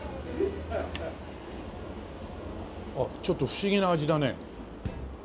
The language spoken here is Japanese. あっちょっと不思議な味だね。